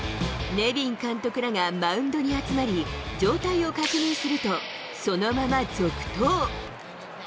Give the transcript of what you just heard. ネビン監督らがマウンドに集まり、状態を確認すると、そのまま続投。